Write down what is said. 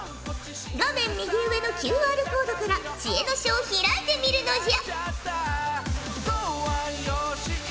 画面右上のＱＲコードから知恵の書を開いてみるのじゃ！